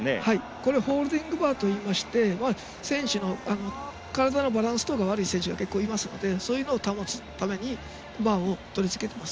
これはホールディングバーといって体のバランスが悪い選手が結構いますのでそういうのを保つためにバーを取り付けています。